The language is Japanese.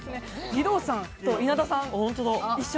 義堂さんと稲田さん、一緒。